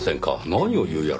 何を言うやら。